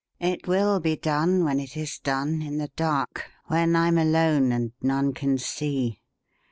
It will be done, when it is done, in the dark when I'm alone, and none can see.